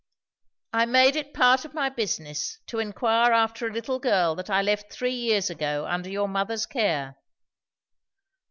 "I made it part of my business to inquire about a little girl that I left three years ago under your mother's care."